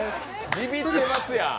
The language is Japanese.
ビビってますやん。